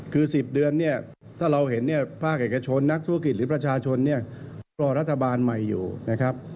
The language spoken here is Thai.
คือ๑๐เดือนถ้าเราเห็นภาคเอกชนนักธุรกิจหรือประชาชนรอรัฐบาลใหม่อยู่นะครับ